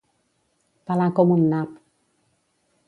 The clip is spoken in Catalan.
Pelar com un nap.